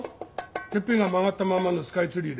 天辺が曲がったまんまのスカイツリーで。